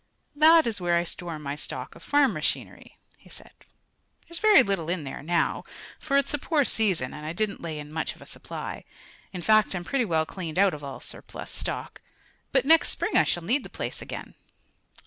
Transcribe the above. "That is where I store my stock of farm machinery," he said. "There's very little in there now, for it's a poor season and I didn't lay in much of a supply. In fact, I'm pretty well cleaned out of all surplus stock. But next spring I shall need the place again."